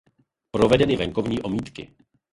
Provedeny venkovní omítky.